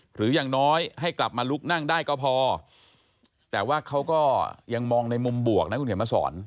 หรืออย่างน้อยให้กลับมาลุกนั่งได้ก็พอแต่ว่าเขาก็ยังมองในมุมบวกนะคุณเห็นมาสอน